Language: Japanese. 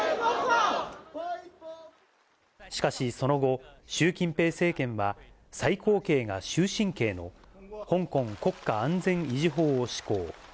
しかしその後、習近平政権は、最高刑が終身刑の香港国家安全維持法を施行。